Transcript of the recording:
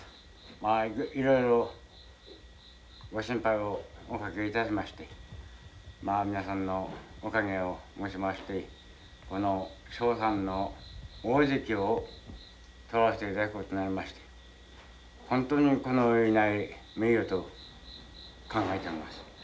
まあいろいろご心配をおかけいたしましてまあ皆さんのおかげをもちましてこの正三の大関を取らせていただくことになりまして本当にこの上ない名誉と考えてます。